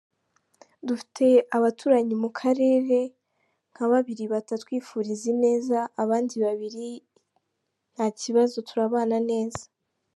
Dufite abaturanyi mu karere nka babiri batatwifuriza ineza abandi babiri nta kibazo turabana neza.”